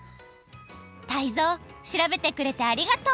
タイゾウしらべてくれてありがとう。